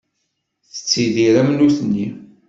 Tettidir am nutni.